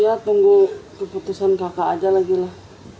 ya tunggu keputusan kakak aja lagi lah